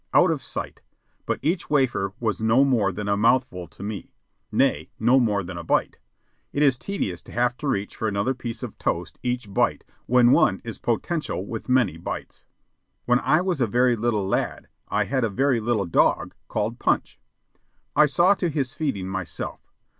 Out of sight! But each wafer was no more than a mouthful to me nay, no more than a bite. It is tedious to have to reach for another piece of toast each bite when one is potential with many bites. When I was a very little lad, I had a very little dog called Punch. I saw to his feeding myself.